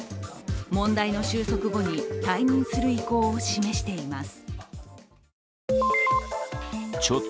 問題の収束後に退任する意向を示しています。